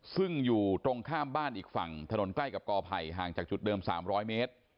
ซึ่งอยู่ตรงข้ามบ้านอีกฝั่งถนนใกล้กับกอไผ่ห่างจากจุดเดิม๓๐๐เมตร